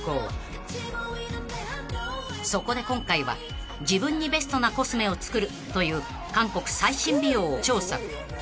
［そこで今回は自分にベストなコスメを作るという韓国最新美容を調査］